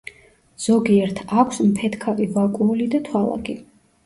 ზოგიერთ აქვს მფეთქავი ვაკუოლი და თვალაკი.